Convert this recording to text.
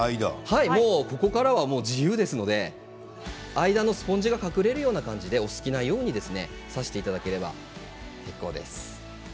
ここからは自由ですので間のスポンジが隠れるような感じでお好きなように挿していただければと思います。